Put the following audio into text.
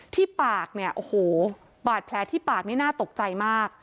ที่ปากเนี่ยโอ้โหบาดแผลที่ปากนี่น่าตกใจมาก